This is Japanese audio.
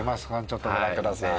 ちょっとご覧ください